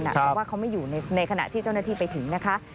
เพราะว่าเขาไม่อยู่ในขณะที่เจ้าหน้าที่ไปถึงนะคะ